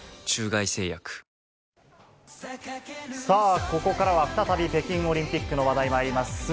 さあ、ここからは、再び北京オリンピックの話題、まいります。